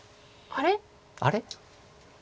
あれ？